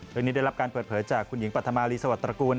โดยนี้ได้รับการเปิดเผยจากคุณหญิงปัธมารีสวัสตระกูล